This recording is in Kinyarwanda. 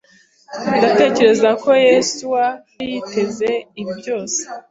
Ndatekereza ko Yesuwa yari yiteze ibi byose.